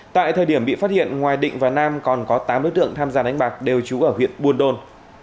tại thời điểm bị phát hiện ngoài định và nam còn có tám đối tượng tham gia đánh bạc đều trú ở huyện buôn đôn